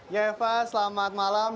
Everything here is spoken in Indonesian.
ya eva selamat malam